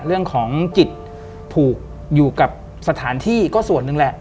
เรื่องของจิตผูกอยู่กับสถานที่ก็ส่วนหนึ่งแหละ